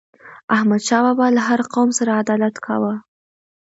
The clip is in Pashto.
احمد شاه بابا له هر قوم سره عدالت کاوه.